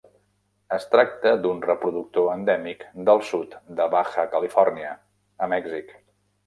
Es tracta d'un reproductor endèmic del sud de Baja California, a Mèxic.